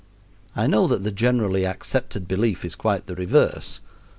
I know that the generally accepted belief is quite the reverse.